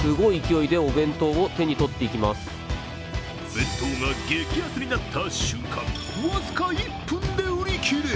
弁当が激安になった瞬間、僅か１分で売り切れ。